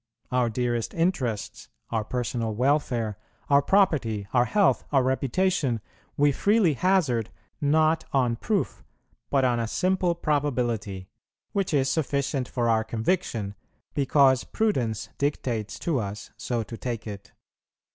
Our dearest interests, our personal welfare, our property, our health, our reputation, we freely hazard, not on proof, but on a simple probability, which is sufficient for our conviction, because prudence dictates to us so to take it.